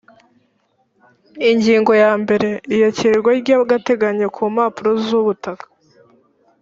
ingingo ya mbere iyakirwa ry agateganyo kumpapuro zubutaka